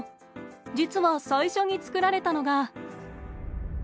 実は最初に作られたのが。